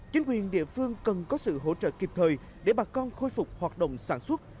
chính quyền địa phương cần có sự hỗ trợ kịp thời để bà con khôi phục hoạt động sản xuất